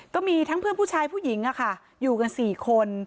ก็มีทั้งเพื่อนผู้ชายผู้หญิงอยู่กัน๔คน